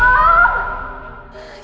gue gak mau